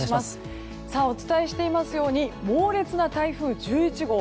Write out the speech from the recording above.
お伝えしていますように猛烈な台風１１号